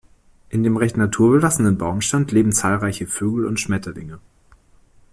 In dem recht naturbelassenen Baumbestand leben zahlreiche Vögel und Schmetterlinge.